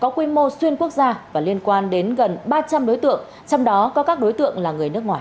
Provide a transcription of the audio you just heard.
quy mô xuyên quốc gia và liên quan đến gần ba trăm linh đối tượng trong đó có các đối tượng là người nước ngoài